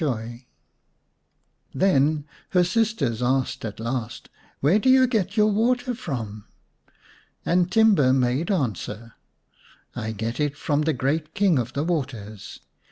by Then her sisters asked at last :" Where do you get your water from ?" And Timba made answer :" I get it from the great King of the Waters.